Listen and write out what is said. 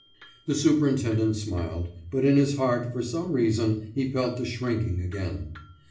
« The superintendent smiled, but in his heart for some reason he felt the shrinking again.